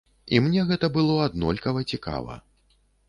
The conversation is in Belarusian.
І мне гэта было аднолькава цікава.